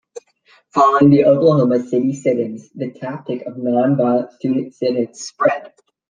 Following the Oklahoma City sit-ins, the tactic of non-violent student sit-ins spread.